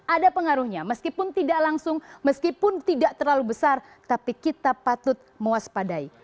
ada pengaruhnya meskipun tidak langsung meskipun tidak terlalu besar tapi kita patut mewaspadai